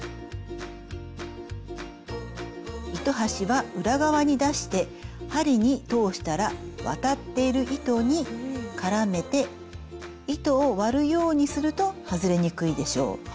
糸端は裏側に出して針に通したら渡っている糸に絡めて糸を割るようにすると外れにくいでしょう。